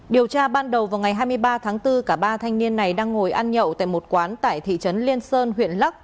điều tra ban đầu vào ngày hai mươi ba tháng bốn cả ba thanh niên này đang ngồi ăn nhậu tại một quán tại thị trấn liên sơn huyện lắc